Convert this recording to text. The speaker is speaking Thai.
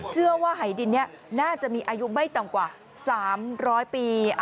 เชื่อว่าหายดินนี้น่าจะมีอายุไม่ต่ำกว่า๓๐๐ปี